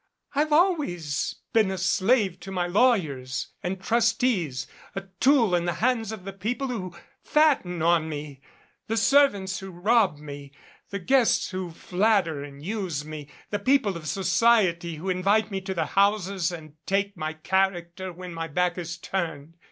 I've always been a slave to my lawyers and trustees, a tool in the hands of the people who fatten on me, the servants who rob me, the guests who natter and use me, the people of society who invite me to their houses and take my char acter when my back is turned.